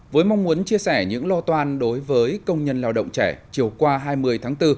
với mong muốn chia sẻ những lo toan đối với công nhân lao động trẻ chiều qua hai mươi tháng bốn